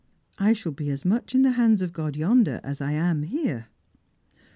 " I shall be a,s much in thehanda of God yonder as I am here."